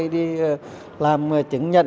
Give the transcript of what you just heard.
đi làm chứng nhận